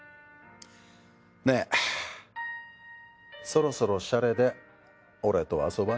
ねぇそろそろシャレで俺と遊ばない？